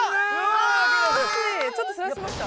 ちょっとそらしました？